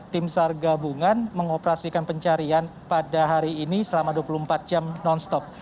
tim sar gabungan mengoperasikan pencarian pada hari ini selama dua puluh empat jam non stop